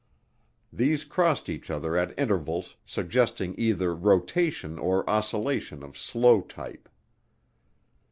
These crossed each other at intervals, suggesting either rotation or oscillation of slow type.